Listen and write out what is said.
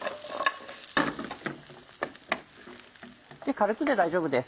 軽くで大丈夫です